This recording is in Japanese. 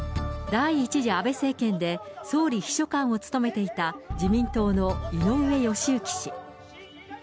第１次安倍政権で、総理秘書官を務めていた、自民党の井上義行氏。